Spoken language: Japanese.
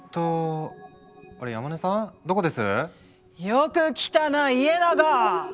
よく来たな家長。